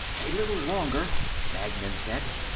"A little longer," Magnan said.